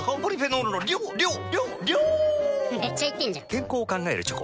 健康を考えるチョコ。